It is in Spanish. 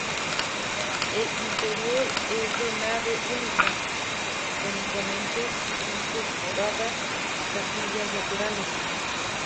El interior es de nave única, con imponentes y decoradas capillas laterales.